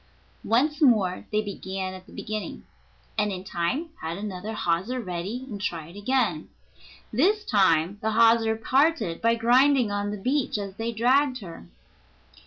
Once more they began at the beginning, and in time had another hawser ready, and tried again. This time the hawser parted by grinding on the beach as they dragged her.